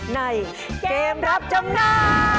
ในเกมรับจำนำ